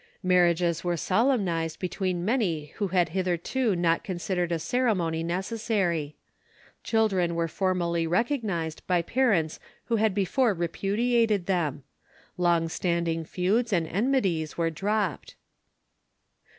Marriages were solemnized between many who had hitherto not considered a ceremony necessary. Children were formally recognized by parents who had before repudiated them; long standing feuds and enmities were dropped.